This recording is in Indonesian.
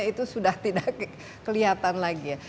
itu sudah tidak kelihatan lagi ya